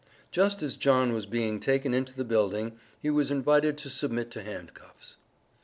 Just as John was being taken into the building, he was invited to submit to hand cuffs.